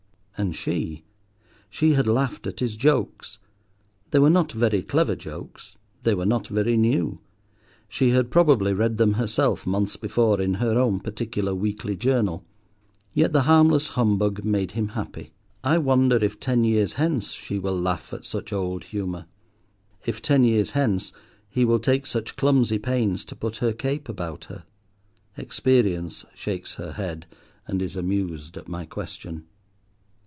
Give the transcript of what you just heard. And she! She had laughed at his jokes; they were not very clever jokes, they were not very new. She had probably read them herself months before in her own particular weekly journal. Yet the harmless humbug made him happy. I wonder if ten years hence she will laugh at such old humour, if ten years hence he will take such clumsy pains to put her cape about her. Experience shakes her head, and is amused at my question.